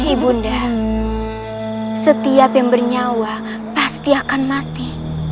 ibu nda setiap yang bernyawa pasti akan mati